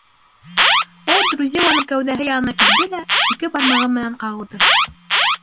Ул Друзилланың кәүҙәһе янына килде лә, ике бармағы менән ҡағылды.